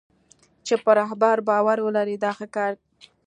چې په رهبر باور ولري دا ښه کار دی.